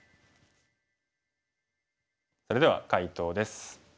それでは解答です。